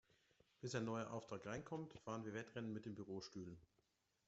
Bis ein neuer Auftrag reinkommt, fahren wir Wettrennen mit den Bürostühlen.